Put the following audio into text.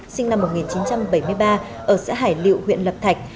sinh năm một nghìn chín trăm bảy mươi ba ở xã hải liệu huyện lập thạch